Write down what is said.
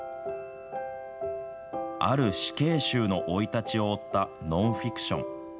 ある死刑囚の生い立ちを追ったノンフィクション。